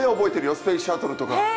スペースシャトルとか。